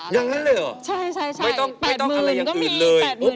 อย่างนั้นเลยเหรอไม่ต้องทำอะไรอย่างอื่นเลยโอ้แปดหมื่น